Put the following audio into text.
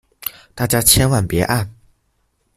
大家千萬別按